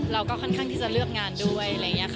เราก็ค่อนข้างที่จะเลือกงานด้วยอะไรอย่างนี้ค่ะ